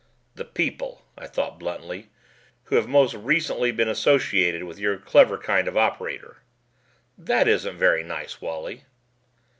"The people," I thought bluntly, "who have most recently been associated with your clever kind of operator." "That isn't very nice, Wally."